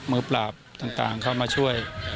มือปราบต่างเข้ามาช่วย